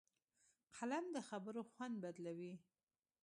قلم د خبرو خوند بدلوي